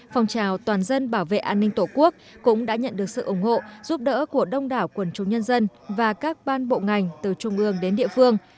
phòng trào toàn dân bảo vệ an ninh tổ quốc cũng đã nhận được sự ủng hộ giúp đỡ của đông đảo quần chúng nhân dân và các ban bộ ngành từ trung ương đến địa phương